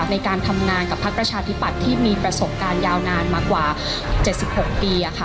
ในการทำงานกับพักประชาธิปัตย์ที่มีประสบการณ์ยาวนานมากว่า๗๖ปี